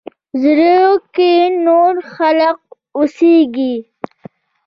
زړه کښې نور خلق اوسيږي